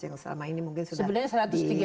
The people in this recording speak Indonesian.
yang selama ini mungkin sudah di alokasikan